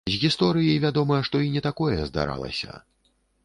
З гісторыі вядома, што і не такое здаралася.